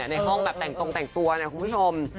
ในห้องแบบแต่งตรงแต่งตัวเนี่ยคุณผู้ชม